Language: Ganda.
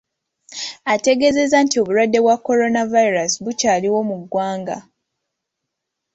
Ategeezeza nti obulwadde bwa coronavirus bukyaliwo mu ggwanga.